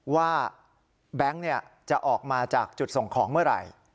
แบงค์จะออกมาจากจุดส่งของเมื่อไหร่